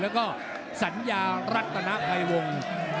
แล้วก็สัญญารัฐณาไพวง